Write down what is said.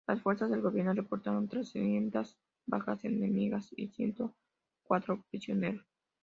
Las fuerzas del gobierno reportaron trescientas bajas enemigas y ciento cuatro prisioneros.